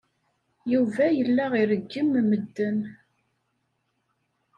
Yuba yella ireggem medden.